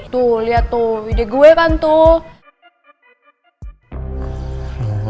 tuh lihat tuh ide gue kan tuh